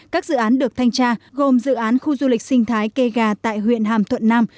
các dự án được thanh tra gồm dự án khu du lịch sinh thái kê gà tại huyện hàm thuận nam